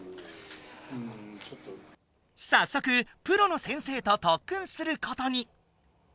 さっそくプロの先生と特訓することに。